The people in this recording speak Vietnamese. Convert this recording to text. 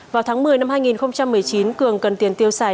vào tháng một mươi năm hai nghìn một mươi chín cường cần tiền tiêu xài